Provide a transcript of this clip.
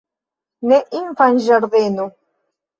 Ne infanĝardeno.